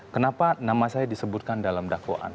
kenapa nama saya disebutkan dalam dakwaan